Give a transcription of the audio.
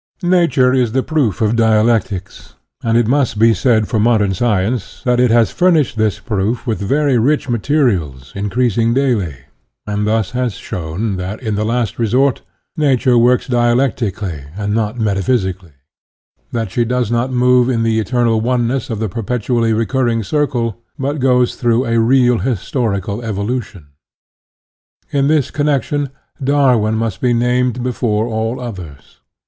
Nature is the proof of dialectics, and it must be said for modern science that it has furnished this proof with very rich materials increasing daily, and thus has shown that, in the last resort, Nature works dialectically and not metaphysically; that X/ she does not move in the eternal oneness of a perpetually recurring circle, but goes ; \J through a real historical evolution. In this connection Darwin must be named before all others.